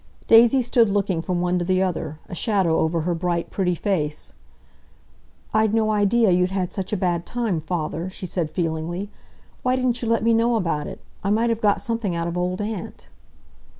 Daisy stood looking from one to the other, a shadow over her bright, pretty face. "I'd no idea you'd had such a bad time, father," she said feelingly. "Why didn't you let me know about it? I might have got something out of Old Aunt."